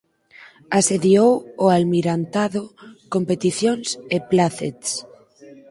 Asediou ó Almirantado con peticións e plácets.